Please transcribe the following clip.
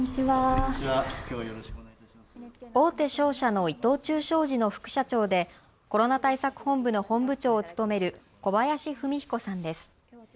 大手商社の伊藤忠商事の副社長でコロナ対策本部の本部長を務める小林文彦さんです。